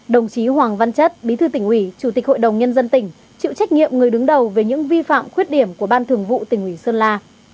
đồng chí hoàng văn chất bí thư tỉnh ủy chủ tịch hội đồng nhân dân tỉnh chịu trách nhiệm người đứng đầu về những vi phạm khuyết điểm của ban thường vụ tỉnh ủy sơn la